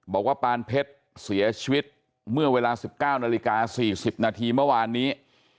บอกว่าปานเพชรเสียชีวิตเมื่อเวลา๑๙นาฬิกา๔๐นาทีเมื่อวานนี้